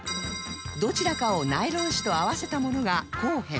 どちらかをナイロン糸と合わせたものが交編